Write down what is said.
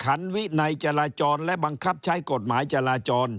ขันวินัยจราจรและบังคับใช้กฎหมายจราจร